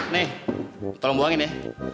nih tolong buangin ya